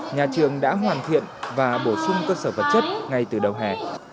nhà trường đã hoàn thiện và bổ sung cơ sở vật chất ngay từ đầu hè